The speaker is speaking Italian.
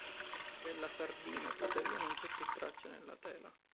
Della sardina, tuttavia, non c'è più traccia nella tela.